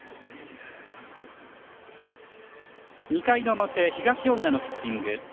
２回の表、東恩納のピッチング。